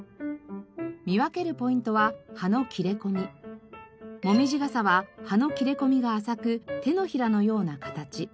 見分けるポイントはモミジガサは葉の切れ込みが浅く手のひらのような形。